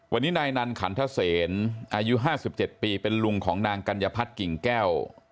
วันนี้นายนันขันทเซนอายุ๕๗ปีเป็นลุงของนางกัญญพัฒน์กิ่งแก้ว